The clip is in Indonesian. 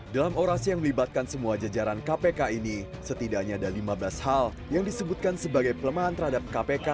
dalam orasi yang melibatkan semua jajaran kpk ini setidaknya ada lima belas hal yang disebutkan sebagai pelemahan terhadap kpk